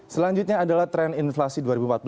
selanjutnya adalah tren inflasi